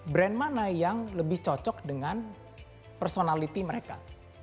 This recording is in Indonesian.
brand mana yang lebih cocok dengan personality mereka